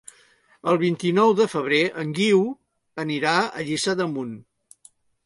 El vint-i-nou de febrer en Guiu anirà a Lliçà d'Amunt.